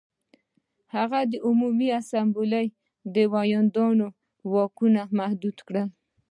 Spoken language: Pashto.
هغه د عمومي اسامبلې د ویاندویانو واکونه محدود کړل